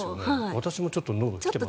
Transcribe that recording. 私もちょっとのどに来ています。